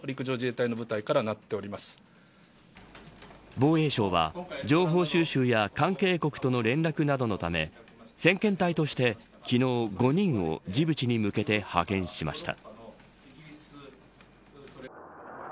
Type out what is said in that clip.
防衛省は情報収集や関係国との連絡などのため先遣隊として、昨日５人をジブチに向けて派遣しました。